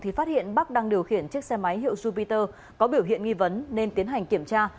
đối tượng có biểu hiện nghi vấn nên tiến hành kiểm tra